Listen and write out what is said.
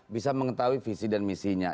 bisa mengetahui visi dan misinya